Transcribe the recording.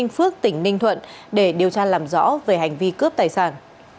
phước tỉnh ninh thuận để điều tra làm rõ về hành vi cướp tài sản